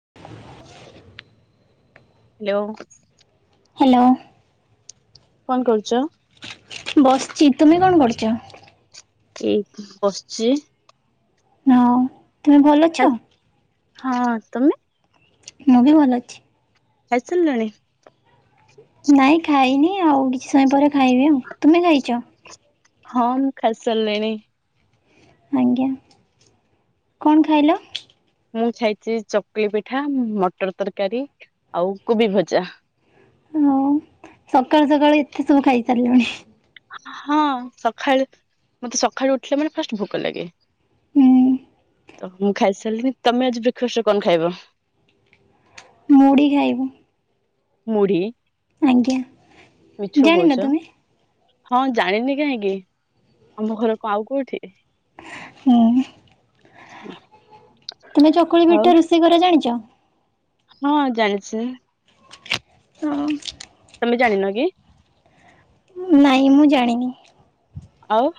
[inaudible] Hello. Hello. କନ କରୁଚ? ବସିଚି, ତୁମେ କଣ କରୁଚ? ଏଇଠି ବସିଚି। ହଁ ତୁମେ ଭଲ ଅଛ ହଁ ତୁମେ? ମୁଁ ବି ଭଲ ଅଛି। ଖାଇ ସାରିଲଣି? ନାଇଁ ଖାଇନି ଆଉ କିଛି ସମୟ ପରେ ଖାଇବି ଆଉ ତୁମେ ଖାଇଚ? ହଁ ମୁଁ ଖାଇ ସାରିଲିଣି। ଆଜ୍ଞା କଣ ଖାଇଲ? ମୁଁ ଛାଇଛି ଚକୁଳି ପିଠା, ମଟର ତରକାରୀ ଆଉ କୋବି ଭଜା। ଉଁ ସକାଳୁ ସକାଳୁ ଏତେ ସବୁ ଖାଇ ସାରିଲଣି। ହଁ ସଖାଳୁ ମତେ ସଖାଳୁ ଉଠିଲେ ମାନେ ଫାଷ୍ଟ ଭୋକ ଲାଗେ। ହୁଁ। ତ ମୁଁ ଖାଇସାରିଲିଣି ତମେ ଆଜି ବ୍ରେକଫାଷ୍ଟରେ କନ ଖାଇବ? ମୁଢି ଖାଇବୁ। ମୁଢି ଆଜ୍ଞା ମିଛ ଜାଣିନ କଉଚ। ତୁମେ ହଁ ଜାଣିନି କାହିଁକି ଆମ ଘର କଣ ଆଉ କୋଉଠି। ହୁଁ। [unintelligible] ତୁମେ ଚକୁଳି ଆଉ ପିଠା ରୋଷେଇ କରିବା ଜାଣିଚ? ହଁ ଜାଣିଛି। ହଁ। ତମେ ଜାଣିନ କି? ନାଇଁ ମୁଁ ଜାଣିନି। ଆଉ।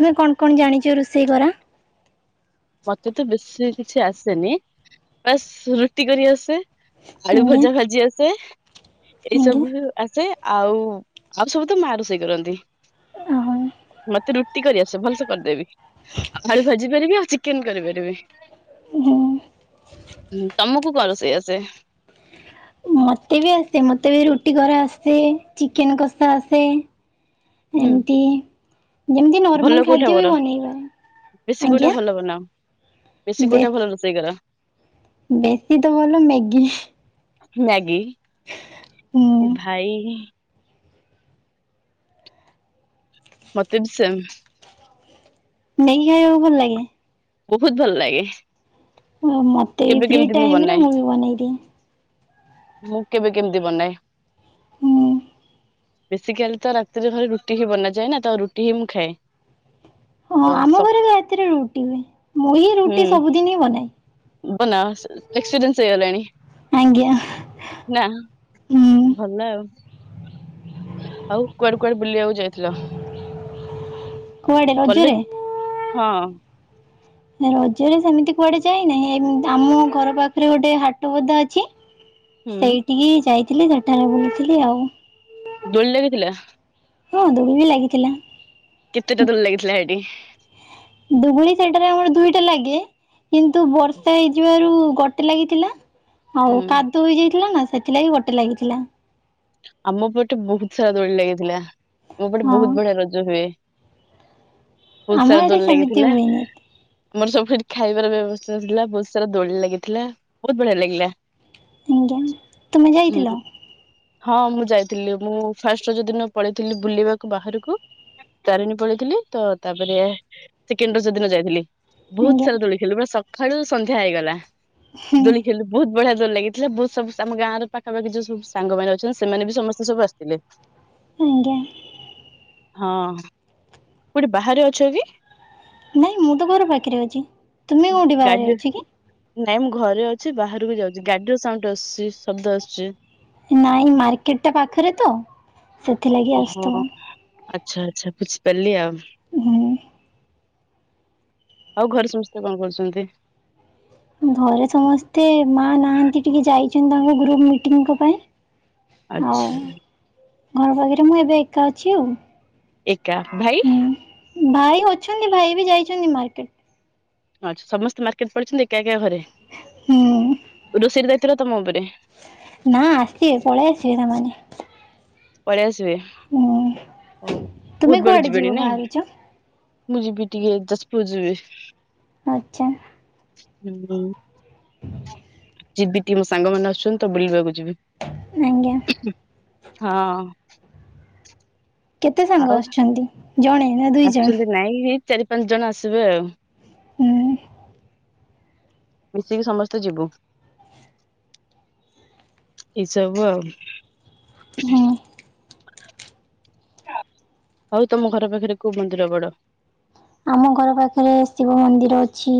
ତୁମେ କଣ କଣ ଜାଣିଚ ରୋଷେଇ କରା? ମତେ ତ ବେଶୀ କିଛି ଆସେନି ବାସ୍ ରୁଟି କରି ଆସେ। ଆଳୁ ଆଜ୍ଞା ଭଜା ଭାଜି ଆସେ ଏଇ ଆଜ୍ଞା ସବୁ ଆସେ ଆଉ ଆଉ ସବୁ ତ ମା ରୋଷେଇ କରନ୍ତି। ହଁ ମତେ ରୁଟି କରି ଆସ ଭଲସେ କରିଦେବି ଆଉ ଆଳୁ ଭାଜି ପାରିବି ଆଉ ଚି କେନ କରିପାରିବି ହୁଁ ତମକୁ କଣ ରଷେଇ ଆସେ? ମତେ ବି ଆସେ ମତେ ବି ରୁଟି କରା ଆସେ ଚିକେନ କଷା ଆସେ। ହୁଁ ଏମତି। ଯେମିତି ଭଲ ନର୍ମାଲ କୋଉଟା ଖାଦ୍ୟ ବି କର ବନେଇବା ଆଜ୍ଞା। ବେଶି କୋଉଟା ଭଲ ରୋଷେଇ କର? ବେଶି ତ ଭଲ ମ୍ୟାଗି। ମ୍ୟାଗି। ହୁଁ। ଏ ଭାଇ। ମତେ ବି ସେମ। ନେଇ କି ଖାଇବାକୁ ଭଲ ଲାଗେ। ବହୁତ ଭଲ ଲାଗେ। ଓ ମତେ ଏଇ କେବେ ଫ୍ରି କେମିତି ଟାଇମ ରେ ବନାଏ। ମୁଁ ବି ବନେଇଦିଏ। ମୁଁ କେବେ କେମିତି ବନାଏ। ହୁଁ। ବେଶୀ କାଲି ତ ରାତିରେ ଘରେ ରୁଟି ହି ବନାଯାଏ ନା ତ ରୁଟି ହିଁ ମୁଁ ଖାଏ। ହଁ ତ ସ ଆମ ଘରେ ରାତିରେ ରୁଟି ହୁଏ, ମୁଁ ହିଁ ହୁଁ ରୁଟି ସବୁଦିନ ହିଁ ବନାଏ। ବନାଅ ଏକ୍ସପିରିଏନସେ ହେଇଗଲାଣି ଆଜ୍ଞା ନା। ହୁଁ ଭଲ ଆଉ। ଆଉ କୁଆଡେ କୁଆଡେ ବୁଲିବାକୁ ଯାଇଥିଲ? କୁଆଡେ କଲେଜ ରଜରେ? ହଁ। ରଜରେ ସେମିତି କୁଆଡେ ଯାଇନାହିଁ ଆମ ଘର ପାଖରେ ଗୋଟେ ହାଟ ବୁଦା ଅଛି। ହୁଁ ସେଇଠିକି ଯାଇଥିଲି ସେଠାରେ ବୁଲୁଥିଲି ଆଉ। ଦୋଳି ଲାଗିଥିଲା। ହଁ ଦୋଳି ବି ଲାଗିଥିଲା। କେତେଟା ଦୋଳି ଲାଗିଥିଲା ହେ ଟି? ଦୁଗୁଳି ସେଟାରେ ଆମର ଦୁଇଟା ଲାଗେ କିନ୍ତୁ ବର୍ଷା ହେଇ ଯିବାରୁ ଗୋଟେ ଲାଗିଥିଲା ଆଉ ହୁଁ କାଦୁଅ ହେଇଯାଇଥିଲା ନା ସେଥିଲାଗି ଗୋଟେ ଲାଗିଥିଲା। ଆମ ପଟେ ବହୁତ ସାରା ଦୋଳି ଲାଗିଥିଲା ଆମ ପଟେ ହଁ ବହୁତ ବଢିଆ ରଜ ହୁଏ। ଆମ ବହୁତ ସାରା ଆଡେ ଦୋଳି ସେମିତି ଲାଗିଥିଲା। ହୁଏନି। ଆମର ସବୁଠି ଖାଇବାର ବ୍ୟବସ୍ଥାଥିଲା, ବହୁତ ସାରା ଦୋଳି ଲାଗିଥିଲା, ବହୁତ ବଢିଆ ଲାଗିଲା। ଆଜ୍ଞା ତୁମେ ହୁଁ ଯାଇଥିଲ? ହଁ ମୁଁ ଯାଇଥିଲି ମୁଁ ଫାଷ୍ଟ ରଜ ଦିନ ପଳେଇଥିଲି ବୁଲିବାକୁ ବାହାରକୁ। ତାରିଣୀ ପଳେଇଥିଲି ତ ତାପରେ ସେକେଣ୍ଡ ରଜ ଦିନ ଯାଇଥିଲି। ବହୁତ ଆଜ୍ଞା ସାରା ଦୋଳି ଖେଲିଲି ପୁରା ସକାଳୁ ସନ୍ଧ୍ୟା ହେଇଗଲା ହୁଁ ଦୋଳି ବହୁତ ବଢିଆ ଦୋଳି ଲାଗିଥିଲା, ବହୁତ ସବ ଆମ ଗାଁ ର ପାଖାପାଖି ଯୋଉ ସବ ସାଙ୍ଗ ମାନେ ସେମାନେ ବି ସମସ୍ତେ ସବୁ ଆସିଥିଲେ। ଆଜ୍ଞା। ହଁ। କୋଉଠି ବାହାରେ ଅଛ କି? ନାଇଁ ମୁଁ ତ ଘର ପାଖରେ ଅଛି, ତୁମେ କୋଉଠି ବାହାରେ ଗାଡିର ଅଛି କି? ନାଇଁ ମୁଁ ଘରେ ଅଛି, ବାହାରକୁ ଯାଉଛି, ଗାଡିର ସାଉଣ୍ଡ ଆସୁଛି, ଶବ୍ଦ ଆସୁଛି। ନାଇଁ ମାର୍କେଟ ଟା ପାଖରେ ତ। ସେଥିଲାଗି ଓହୋ ଆସୁଥିବ ଆଚ୍ଛା ଆଚ୍ଛା ବୁଝିପାରିଲି ଆଉ। ହୁଁ। ଆଉ ଘରେ ସମସ୍ତେ କଣ କରୁଛନ୍ତି? ଘରେ ସମସ୍ତେ ମା ନାହାନ୍ତି ଟିକେ ଯାଇଚନ୍ତି ତାଙ୍କ ଗ୍ରୁପ୍ ମିଟିଂ କ ପାଇଁ। ଆଉ ଆଚ୍ଛା ଘର ପାଖେରେ ମୁଁ ଏବେ ଏକା ଅଛି ଆଉ। ଏକା ଭାଇ? ଭାଇ ଅଛନ୍ତି ଭାଇ ବି ଯାଇଛନ୍ତି ମାର୍କେଟ୍। ଆଚ୍ଛା ସମସ୍ତେ ମାର୍କେଟ୍ ପଳେଇଛନ୍ତି, ଏକା ଏକା ଘରେ ହୁଁ ରୋଷେଇ ଦାୟିତ୍ୱ ଟା ତମ ଉପରେ। ନା ଆସିବେ ପଳେଇ ଆସିବେ ସେମାନେ। ପଳେଇ ଆସିବେ ହୁଁ ହଉ ତୁମେ ବୋହୁତ୍ ବେଳୁ କୁଆଡ଼େ ଯିବ ଯିବେଣି ବାହାରୁଛ ନାହିଁ। ମୁଁ ଯିବି ଟିକେ ଯାଜପୁର୍ ଯିବି। ଆଚ୍ଛା। ହୁଁ। ଯିବି ଟିକେ ମୋ ସାଙ୍ଗ ମାନେ ଆସୁଛନ୍ତି ତ ବୁଲିବାକୁ ଯିବି। ଆଜ୍ଞା। ଉଁ ହଁ। କେତେ ସାଙ୍ଗ ଆଉ। ଆସୁଛନ୍ତି ଜଣେ ନା ଦୁଇ ଜଣ? ଆସୁଛନ୍ତି ନାଇଁ ଏଇ ଚାରି ପାଞ୍ଚ ଜଣ ଆସିବେ ଆଉ। ହୁଁ। ମିଶିକି ସମସ୍ତେ ଯିବୁ। ଏସବୁ ଆଉ। ହଁ। ହଉ ତମ ଘର ପାଖରେ କୋଉ ମନ୍ଦିର ବଡ଼? ଆମ ଘର ପାଖରେ ଶିବ ମନ୍ଦିର ଅଛି।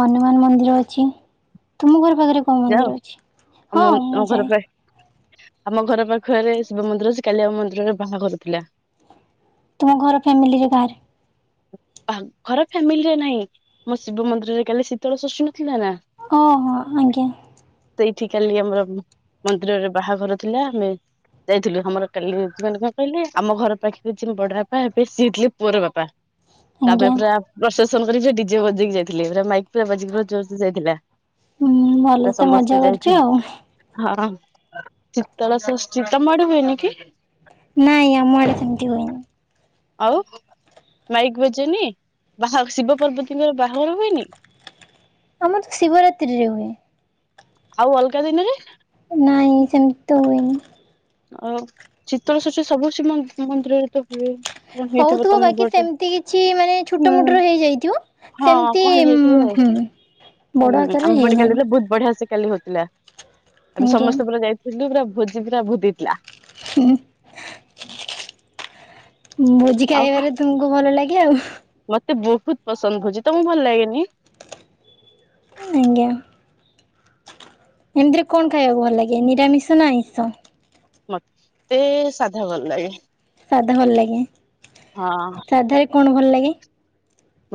ହନୁମାନ୍ ମନ୍ଦିର ଅଛି। ତୁମ ଘର ପାଖରେ କଉ ଯାଅ ମନ୍ଦିର ଅଛି? ଆମ ହଁ ମୁଁ ଆମ ଘର ଯାଏ। ପାଖ ଆମ ଘର ପାଖରେ ଶିବ ମନ୍ଦିର ଅଛି କାଲି ଆମ ମନ୍ଦିରରେ ବାହାଘର ଥିଲା। ତୁମ ଘର ଫ୍ୟାମିଲୀ ରେ କାହାରେ? ଆ ଘର ଫ୍ୟାମିଲିରେ ନାହିଁ ଆମ ଶିବ ମନ୍ଦିରରେ କାଲି ଶୀତଳ ଷଷ୍ଠୀ ନ ଥିଲା ନା? କଣ? ଆଜ୍ଞା। ସେଇଠି କାଲି ଆମର୍ ଉଁ ମନ୍ଦିରରେ ବାହାଘର ଥିଲା ଆମେ। ଯାଇଥିଲୁ ଆମର କାଲି ହଉଚି ମାନେ କଣ କହିଲେ ଆମ ଘର ପାଖରେ ଯିଏ ମୋ ବଡ଼ ବାପା ହେବେ ସିଏ ଥିଲେ ପୁଅର ବାପା। ତାପରେ ଆଜ୍ଞା। ପୁରା ପ୍ରଶେସନ୍ କରିିକି ଯେ ଡି ଜେ ବଜେଇକି ଯାଇଥିଲେ ପୁରା ମାଇକ୍ ପୁରା ବାଜିକି ପୁରା ଜୋରସେ ଯାଇଥିଲା। ହୁଁ ଭଲ ପୁରା ତ ସମସ୍ତେ ମଜା କରିଚୁ ଯାଇଥିଲୁ ଆଉ। ହଁ ଶୀତଳ ଷଷ୍ଠୀ ତମ ଆଡ଼େ ହୁଏନି କି? ନାଇଁ ଆମ ଆଡ଼େ ସେମିତି ହୁଏନି। ଆଉ ମାଇକ୍ ବାଜେନି ବାହା ଶିବ ପାର୍ବତୀଙ୍କର ବାହାଘର ହୁଏନି? ଆମର୍ ତ ଶିବ ରାତ୍ରିରେ ହୁଏ। ଆଉ ଅଲଗା ଦିନରେ? ନାଇଁ ସେମିତି ତ ହୁଏନି। ଆଉ ଶୀତଳ ଷଷ୍ଠୀ ସବୁ ଶିବ ମନ୍ଦିରରେ ତ ହୁଏ। କଣ ହେଇଥିବ ହଉଥୁବ ତମ ବାକି ପଟେ ସେମିତି କିଛି ମାନେ ଛୋଟ ମୋଟ୍ ହୁଁ ରେ ହେଇଯାଇଥିବ। ହଁ ସେମିତି କଣ ହେଇଯାଇଥିବ ଉଁ ଆଉ ହୁଁ ବଡ଼ ଆକାରରେ ହେଇନାଇ। ବହୁତ୍ ବଢିଆ ସେ କାଲି ହଉଥିଲା। ଆମେ ଆଜ୍ଞା। ସମସ୍ତେ ପୁରା ଯାଇଥିଲୁ ପୁରା ଭୋଜି ପୁରା ବହୁତ୍ ହେଇଥିଲା। ହୁଁ। ଉଁ ଭୋଜି ଆଉ ଖାଇବାରେ ତୁମକୁ ଭଲ୍ ଲାଗେ ଆଉ। ମତେ ବହୁତ୍ ପସନ୍ଦ। ଭୋଜି ତମକୁ ଭଲ୍ ଲାଗେନି? ଉଁ ନାଜ୍ଞା। ଏମିତିରେ କଣ ଖାଇବାକୁ ଭଲ୍ ଲାଗେ ନିରାମିଷ ନା ଆଇଁଷ? ମତେ ସାଧା ଭଲ୍ ଲାଗେ। ସାଧା ଭଲ ଲାଗେ। ହଁ। ସାଧା ରେ କଣ ଭଲ୍ ଲାଗେ?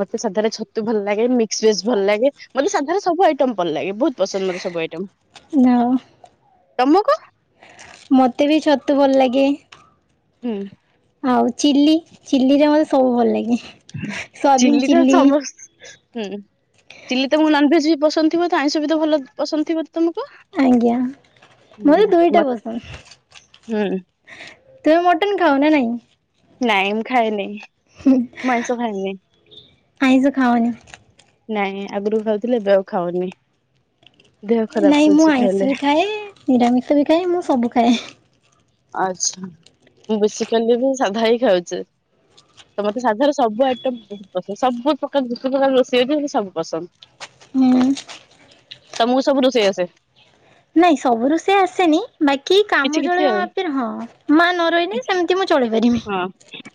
ମତେ ସାଧାରେ ଛତୁ ଭଲ୍ ଲାଗେ ମିକ୍ସ ଭେଜ୍ ଭଲ୍ ଲାଗେ ମତେ ସାଧାରେ ସବୁ ଆଇଟମ୍ ଭଲ୍ ଲାଗେ ବହୁତ୍ ପସନ୍ଦ ମତେ ସବୁ ଆଇଟମ୍। ଯାହା ହଉ। ତମକୁ? ମତେ ବି ଛତୁ ଭଲ ଲାଗେ। ହୁଁ। ଆଉ ଚିଲ୍ଲି ଚିଲ୍ଲିରେ ମତେ ସବୁ ଭଲ ଲାଗେ ସୋୟାବିନ ଚିଲିର ଚିଲ୍ଲି। ସମସ୍ତ ହୁଁ ଚିଲି ତମକୁ ନନଭେଜ୍ ବି ପସନ୍ଦ ଥିବ ତ ଆଇଁଷ ବି ତ ଭଲ ପସନ୍ଦ ଥିବ ତମ ଆଜ୍ଞା ମୋତେ ଦୁଇଟା [unintelligible] ପସନ୍ଦ ହୁଁ। ତୁମେ ମଟନ୍ ଖାଅ ନା ନାଇଁ? ନାଇଁ ମୁଁ ଖାଏନି ମୁଁ ଆଇଁଷ ଖାଏନି। ଆଇଁଷ ଖାଅନି ନାଇଁ ଆଗୁରୁ ଖାଉଥିଲି ଏବେ ଆଉ ଖାଉନି। ଦେହ ଖରାପ ନାଇଁ ମୁଁ ହଉଛି ଖାଇଲେ ଆଇଁଷ ବି ଖାଏ ନିରାମିଷ ବି ଖାଏ ମୁଁ ସବୁ ଖାଏ। ଆଚ୍ଛା ମୁଁ ବେଶୀକାଲି ବି ସାଧା ହି ଖାଉଚି। ତ ମତେ ସାଧାର ସବୁ ଆଇଟମ୍ ବହୁତ୍ ପସନ୍ଦ ସବୁ ପ୍ରକାର ଯେତେ ପ୍ରକାର ରୋଷେଇ ଅଛି ମତେ ସବୁ ପସନ୍ଦ୍। ହୁଁ। ତମୁକୁ ସବୁ ରୋଷେଇ ଆସେ? ନାଇଁ ସବୁ ରୋଷେଇ ଆସେନି ବାକି କିଛି କାମ କିଛି ଆଉ ଚଳେଇବା [unintelligible] ହଁ ମା ନରହିଲେ କିଛି ସେମତି ମୁଁ ଚଳେଇ ପାରିମି। ହଁ।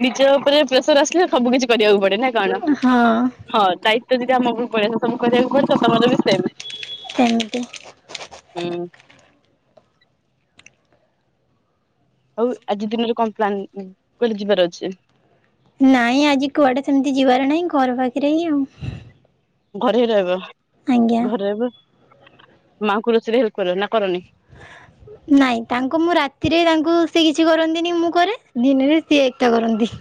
ନିଜ ଉପରେ ପ୍ରେସର୍ ଆସିଲେ ସବୁ କିଛି କରିବାକୁ ପଡେ ନା କଣ? ହଁ ହଁ ଦାୟିତ୍ଵ ଯଦି ଆମ ଉପରେ ପଳେଇ ଆସିବ ସବୁ କରିବାକୁ ପଡିବ ସମତେ ବି ସେମ୍। ସେମିତି ହୁଁ। ଆଉ ଆଜି ଦିନରେ କଣ ପ୍ଲାନିଂ କହିଲି ଯିବାର ଅଛି? ନାଇଁ ଆଜି କୁଆଡେ ସେମତି ଯିବାର ନାହିଁ ଘର ପାଖେରେ ହିଁ ଆଉ। ଘରେ ହିଁ ରହିବ ଆଜ୍ଞା ଘରେ ରହିବ ମାଙ୍କୁ ରୋଷଇରେ ହେଲ୍ପ୍ କରିବ ନା କରନି? ନାଇଁ ତାଙ୍କୁ ମୁଁ ରାତିରେ ତାଙ୍କୁ ସେ କିଛି କରନ୍ତିନି ମୁଁ କରେ ଦିନରେ ସିଏ ଏକା କରନ୍ତି।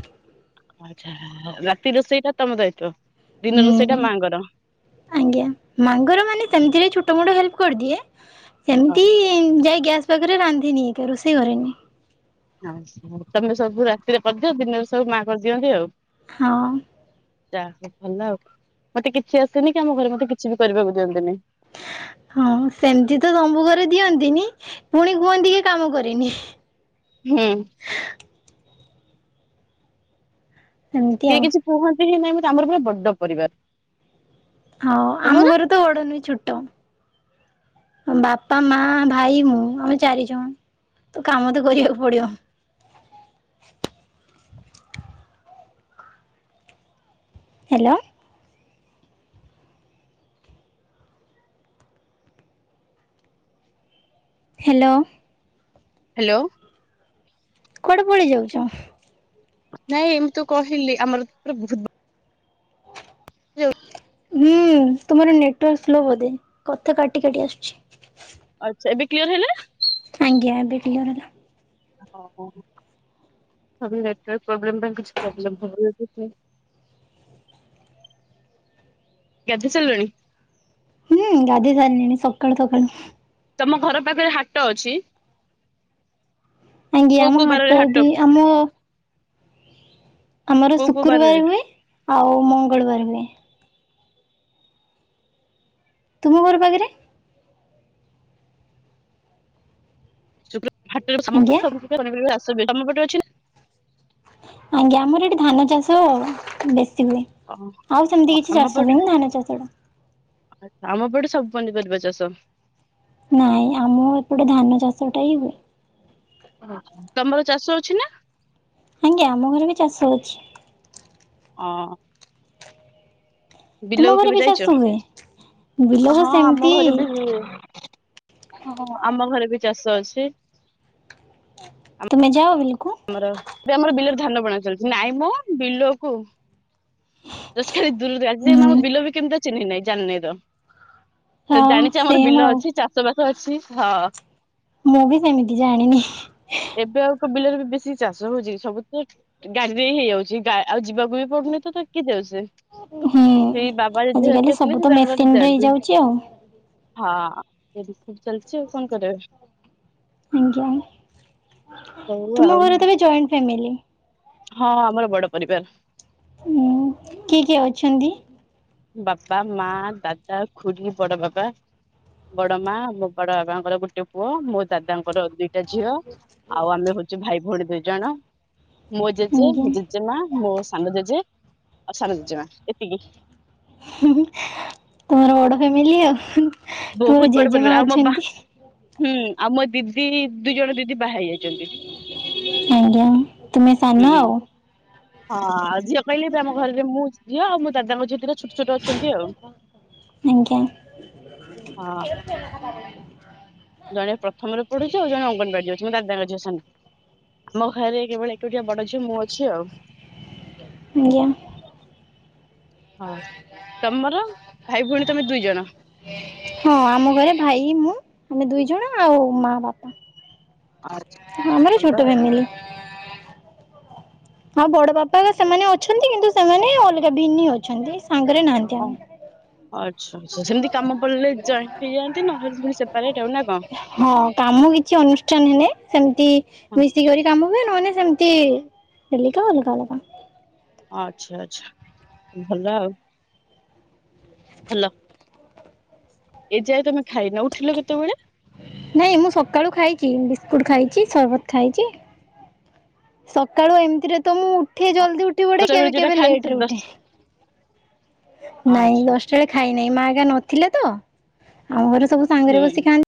ଆଚ୍ଛା- ରାତି ରୋଷେଇଟା ତମ ଦାୟିତ୍ଵ? ଦିନ ହୁଁ ରୋଷେଇଟା ମାଆଙ୍କର ଆଜ୍ଞା ମାଙ୍କର ମାନେ ସେମତିରେ ଛୋଟ ମୋଟ ହେଲ୍ପ କରିଦିଏ ହଁ ସେମତି ଯାଇ ଗ୍ୟାସ୍ ପାଖେରେ ରାନ୍ଧିନି ଏକେ ରୋଷେଇ କରେନି। ତମେ ସବୁ ରାତିରେ କରିଦିଅ ଦିନରେ ସବୁ ମା କରିଦିଅନ୍ତି ଆଉ। ହଁ। ଯାହା ହଉ ଭଲ ଆଉ ମତେ କିଛି ଆସେନି କି ଆମ ଘରେ ମତେ କିଛି ବି କରିବାକୁ ଦିଅନ୍ତିନି। ହଁ ସେମତି ତ ତମ ଘରେ ଦିଅନ୍ତିନି ପୁଣି କୁହନ୍ତି କି କାମ କରେନି। ହୁଁ। ସେମିତି କିଏ ଆଉ କିଛି କୁହନ୍ତି ହିଁ ନାହିଁ ମତେ ଆମର ପୁରା ବଡ ପରିବାର୍। ହଁ ଆମ ଘରେ ତ ବଡ ନୁହେଁ ଛୋଟ। ବାପା, ମା, ଭାଇ ମୁଁ ଆମେ ଚାରିଜଣ। ତ କାମ ତ କରିବାକୁ ପଡିବ। ହାଲୋ। ହାଲୋ। ହାଲୋ। କୁଆଡେ ପଳେଇ ଯାଉଚ? ନାଇଁ ଏମ୍ ତୁ କହିଲି ଆମର ପୁରା ବହୁତ୍ [inaudible] ହୁଁ ତୁମର ନେଟୱାର୍କ ସ୍ଲୋ ବୋଧେ କଥା କାଟି କାଟି ଆସୁଚି। ଆଚ୍ଛା ଏବେ କ୍ଲିୟର୍ ହେଲା ନା? ଆଜ୍ଞା ଏବେ କ୍ଲିୟର୍ ହେଲା। ଓ ହୋ ନେଟୱାର୍କ ପ୍ରୋବ୍ଲେମ ପାଇଁ କିଛି ପ୍ରୋବ୍ଲେମ [unintelligible] ଗାଧେଇ ସାରିଲଣି? ହୁଁ ଗାଧେଇ ସାରିଲିଣି ସକାଳୁ ସକାଳୁ। ତମ ଘର ପାଖରେ ହାଟ ଅଛି? ଆଜ୍ଞା କୋଉ ଆମ କୋଉ ବାରରେ ହାଟ ବି ଆମ ଆମର କୋଉ କୋଉ ବାରରେ? ଶୁକ୍ରବାର ହୁଏ ଆଉ ମଙ୍ଗଳବାର ହୁଏ। ତୁମ ଘର ପାଖେରେ? ଶୁକ୍ର ହାଟରେ [unintelligible] ତମ ଆଜ୍ଞା ପଟେ ଅଛି [unintelligible] ଆଜ୍ଞା ଆମର ଏଠି ଧାନ ଚାଷ ବେଶୀ ହୁଏ। ଆଉ ଓ ସେମିତି କିଛି ଆମ ଚାଷ ପଟେ ହୁଏନି ଧାନ ଚାଷଟା। ଆମ ପଟେ ସବୁ ପନିପରିବା ଚାଷ। ନାଇଁ, ଆମ ଏପଟେ ଧାନ ଚାଷଟା ହିଁ ହୁଏ। ଓ ହଁ, ତମର ଚାଷ ଅଛି ନା? ଆଜ୍ଞା, ଆମ ଘରେ ବି ଚାଷ ଅଛି। ଅଁ ତୁମ ବିଲକୁ ଘରେ କେବେ ବି ଯାଇଛ? ଚାଷ ହୁଏ ବିଲକୁ ହଁ, ଆମ ସେମିତି ଘରେ ବି ହୁଏ। ହଁ, ହଁ, ଆମ ଘରେ ବି ଚାଷ ଅଛି। ତମେ ଯାଅ ବିଲକୁ? ଆମର ଏବେ ଆମର ବିଲରେ ଧାନ ବୁଣା ଚାଲିଛି, ନାଇଁମ ବିଲକୁ ଜଷ୍ଟ ଖାଲି ଦୂରରୁ ଯାହା, ଆଜି ଯାଏ ମୁଁ ଆମ ହୁଁ ବିଲ ବି କେମିତିଆ ଚିହ୍ନି ନାହିଁ ଜାଣି ନାଇଁ ତ। ଖାଲି ହଁ ଜାଣିଛି ଆମର ସେମ୍ ବିଲ ଆଉ ଅଛି ଚାଷ ବାସ ଅଛି, ହଁ। ମୁଁ ବି ସେମିତି ଜାଣିନି। ଏବେ ଆଉ ତ ବିଲରେ ବି ବେଶି ଚାଷ ହଉଛି ସବୁ ତ ଗାଡିରେ ହିଁ ହେଇଯାଉଛି ଗା ଆଉ ଯିବାକୁ ବି ପଡୁନି ତ ତ କିଏ ଯାଉଛି। ହୁଁ ସେଇ ବାବା ଯଦି ଆଜିକାଲି ଧରିକି ସବୁ ଆସିଲେ ତ ସେ ତାଙ୍କ କଥା ମେସିନରେ ଜାଣିବେ। ହେଇଯାଉଛି ଆଉ ହଁ, ଏମିତି ସବୁ ଚାଲିଛି ଆଉ କଣ କରେ? ଆଜ୍ଞା, ହଉ ତୁମ ଆଉ ଘରେ ତାହେଲ ଜଏଣ୍ଟ ଫ୍ୟାମିଲି? ହଁ, ଆମର ବଡ ପରିବାର। ହୁଁ, କିଏ କିଏ ଅଛନ୍ତି? ବାପା, ମା, ଦାଦା, ଖୁୁଢୀ, ବଡ ବାପା ବଡ ମା, ମୋ ବଡ ବାବାଙ୍କର ଗୋଟେ ପୁଅ, ମୋ ଦାଦାଙ୍କର ଦି ଗୋଟେ ଝିଅ, ଆଉ ଆମେ ହଉଛୁ ଭାଇ ଭଉଣୀ ଦୁଇ ଜଣ, ମୋ ଜେଜେ, ଆଜ୍ଞା ଜେ ଜେମା, ମୋ ସାନ ଜେଜେ ଆଉ ସାନ ଜେଜେମା ଏତିକି। ହୁଁ, ହୁଁ, ତମର ବଡ ଫ୍ୟାମିଲି ଆଉ, ତୁମର ବହୁତ ବଡ ପରିବାର ଜେଜେମା ଆଉ ମୋ ବା ଅଛନ୍ତି। ହୁଁ, ଆଉ ମୋ ଦିଦି ଦୁଇ ଜଣ ଦିଦି ବାହା ହେଇ ଯାଇଛନ୍ତି। ଆଜ୍ଞା, ତୁମେ ସାନ ଆଉ। ହଁ, ଝିଅ କହିଲେ ଏବେ ଆମ ଘରେ ମୁଁ ଝିଅ ଆଉ ମୋ ଦାଦାଙ୍କ ଝିଅ ଦିଟା ଛୋଟ ଛୋଟ ଅଛନ୍ତି ଆଉ। ଆଜ୍ଞା। ହଁ। ଜଣେ ପ୍ରଥମରେ ପଢୁଛି, ଆଉ ଜଣେ ଅଙ୍ଗନବାଡି ଯାଉଛି ମୋ ଦାଦାଙ୍କ ଝିଅ ସାନ। ଆମ ଘରେ କେବଳ ଏକୁଟିଆ ବଡ ଝିଅ ମୁଁ ଅଛି ଆଉ। ଆଜ୍ଞା। ହଁ ତମର, ଭାଇ ଭଉଣୀ ତମେ ଦୁଇ ଜଣ? ହଁ, ଆମ ଘରେ ଭାଇ, ମୁଁ ଆମେ ଦୁଇ ଜଣ ଆଉ ମା, ବାପା। [unintelligible] ଆମର ଭଲ ଛୋଟ ଆଉ ଫ୍ୟାମିଲି। ହଁ, ବଡ ବାପା ସେମାନେ ଅଛନ୍ତି କିନ୍ତୁ ସେମାନେ ଅଲଗା ଭିନ୍ନି ଅଛନ୍ତି, ସାଙ୍ଗେରେ ନାହାନ୍ତି ଓ ଆମର। ଆଚ୍ଛା, ଆଚ୍ଛା, ସେମିତି କାମ ପଡ଼ିଲେ ଜଏଣ୍ଟ ହେଇଯାଆନ୍ତି, ନହେଲେ ପୁଣି ସେପାରେଟ୍ ଆଉ ନା କଣ? ହଁ, କାମ କିଛି ଅନୁଷ୍ଠାନ ହେଲେ ସେମିତି ହଁ ମିଶିକରି କାମ ହୁଏ ନହେଲେ ସେମିତି ହେଲିକା ଅଲଗା ଅଲଗା। ଆଚ୍ଛା, ଆଚ୍ଛା, ଭଲ ଆଉ। ହାଲୋ! ଏ ଯାଏ ତମେ ଖାଇନ, ଉଠିଲ କେତେବେଳେ? ନାଇଁ, ମୁଁ ସକାଳୁ ଖାଇଛି ବିସ୍କୁଟ ଖାଇଛି, ସର୍ବତ ଖାଇଛି। ସକାଳୁ ଏମିତିରେ ତ ମୁଁ ଉଠେ ଜଲଦି ଉଠି ପଡେ ଦଶଟା ବେଳେ କେବେ ଯୋଉଟା କେବେ ଖାଆନ୍ତି ଲେଟରେ ଦଶ ଉଠେ। ନାଇଁ, ଆଚ୍ଛା ଦଶଟା ବେଳେ ଖାଇ ନାଇଁ ମା ଏକା ନଥିଲେ ତ ଆମ ଘରେ ସବୁ ସାଙ୍ଗରେ ହୁଁ। ବସି ଖାଆ